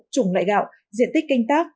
chủng loại gạo diện tích canh tác